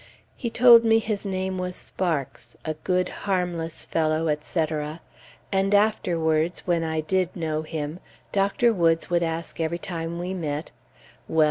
He told me his name was Sparks, a good, harmless fellow, etc. And afterwards, when I did know him, [Dr. Woods] would ask every time we met, "Well!